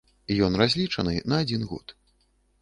Ён разлічаны на адзін год.